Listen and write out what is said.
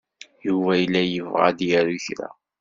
Yuba yella yebɣa ad d-yaru kra.